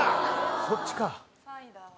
そっちか。